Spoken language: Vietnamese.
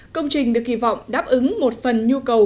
công trình được kỳ vọng đáp ứng một phần nhu cầu